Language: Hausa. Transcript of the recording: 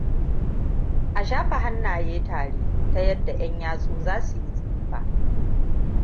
A shafa hannaye tare, ta yadda 'yan-yatsu za su yi tsifa.